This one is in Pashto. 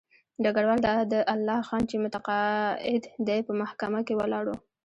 ډګروال دادالله خان چې متقاعد دی په محکمه کې ولاړ وو.